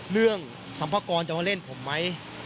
เรื่องสัมพกรณ์จะมาเล่นผมไหม